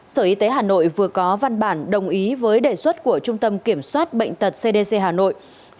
sở y tế hà nội vừa có văn bản đồng ý với đề xuất của trung tâm kiểm soát bệnh tật cdc hà nội